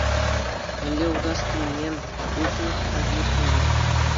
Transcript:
Мӗнле утас килмӗ ылтӑн кавир тӑрӑх!